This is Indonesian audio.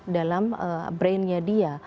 dalam brainnya dia